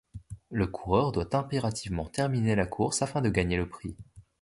Le coureur doit impérativement terminer la course afin de gagner le prix.